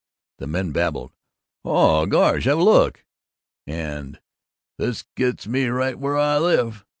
The men babbled, "Oh, gosh, have a look!" and "This gets me right where I live!"